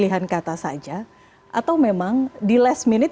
dikaitkan dengan pots gew immediat